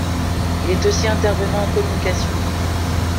Il est aussi intervenant en communication.